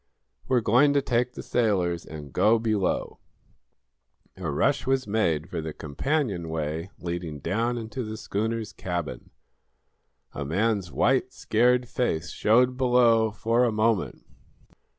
"We're going to take the sailors and go below." A rush was made for the companionway leading down into the schooner's cabin. A man's white, scared face showed below, for a moment.